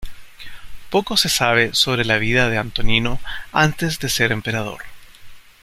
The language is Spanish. Poco se sabe sobre la vida de Antonino antes de ser emperador.